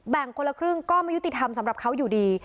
คนละครึ่งก็ไม่ยุติธรรมสำหรับเขาอยู่ดี